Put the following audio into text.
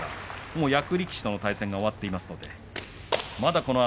役力士の対戦は終わっています